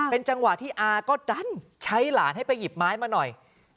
เป็นจังหวะที่อาก็ดันใช้หลานให้ไปหยิบไม้มาหน่อย